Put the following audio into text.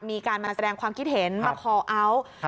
มีการมาแสดงความคิดเห็นมาคอลเอาท์